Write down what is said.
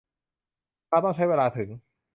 มาต้องใช้เวลาถึง